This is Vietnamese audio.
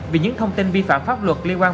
vì những thông tin vi phạm pháp luật liên quan